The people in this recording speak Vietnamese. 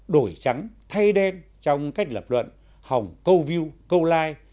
đổi trắng thay đen trong cách lập luận hỏng câu view câu like